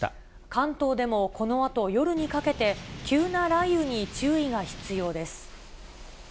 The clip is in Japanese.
関東でもこのあと夜にかけて、急な雷雨に注意が必要です。